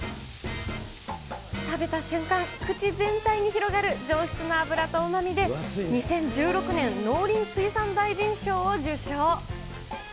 食べた瞬間、口全体に広がる上質な脂とうまみで、２０１６年、農林水産大臣賞を受賞。